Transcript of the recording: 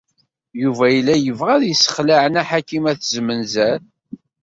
Yuba yella yebɣa ad yessexleɛ Nna Ḥakima n At Zmenzer.